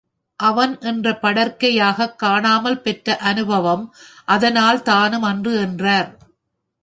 அவன் என்ற படர்க்கையாகக் காணாமல் பெற்ற அநுபவம் ஆதலால் தானும் அன்று என்றார்.